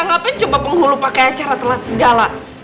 ngapain coba penghulu pakai acara telat segala